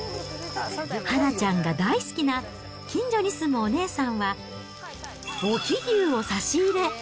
はなちゃんが大好きな近所に住むお姉さんは、隠岐牛を差し入れ。